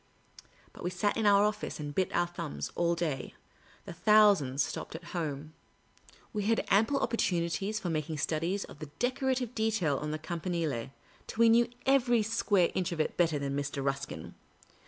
But we sat in our office and bit our thumbs all day ; the thousands stopped at home. We had ample opportunities for making studies of fehe decorative detail on the Campanile, till we knew every square inch of it better than Mr. Ruskin.